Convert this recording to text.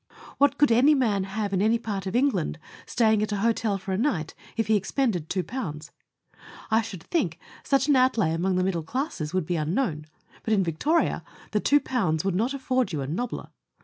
What could a man have in any part of England staying at a hotel for a night, if he expended 2? I should think such an outlay amongst the middle classes would be unknown, but in Victoria the 2 would not afford you a " nobbier."